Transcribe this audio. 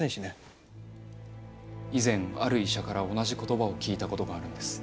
以前ある医者から同じ言葉を聞いたことがあるんです。